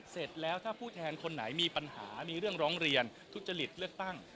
เสร็จแล้วถ้าผู้แทนคนไหนมีปัญหามีเรื่องร้องเรียนทุจริตเลือกตั้ง